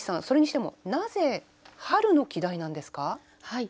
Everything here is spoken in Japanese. それにしてもなぜ春の季題なんですか？